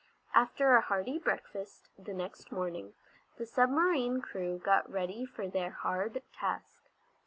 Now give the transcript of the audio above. After a hearty breakfast the next morning, the submarine crew got ready for their hard task.